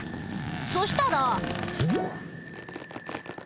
そしたら。